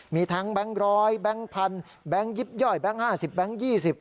มีทั้งแบงค์ร้อยแบงค์พันแบงค์ยิบย่อยแบงค์๕๐แบงค์๒๐